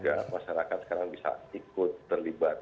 ini biarkan juga masyarakat sekarang bisa ikut terlibat